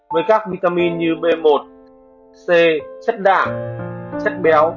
với các vitamin như b một c chất đạm chất béo